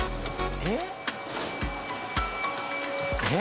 えっ？